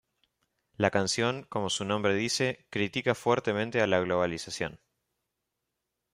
La canción, como su nombre dice, critica fuertemente a la Globalización.